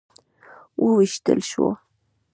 وویشتل شو.